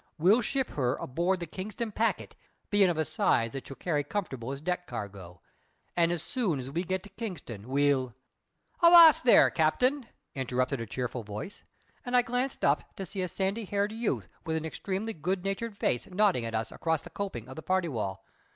We'll ship her aboard the Kingston packet, bein' of a size that she'll carry comfortable as deck cargo; and soon as we get to Kingstown we'll " "Avast there, cap'n!" interrupted a cheerful voice; and I glanced up, to see a sandy haired youth with an extremely good natured face nodding at us across the coping of the party wall.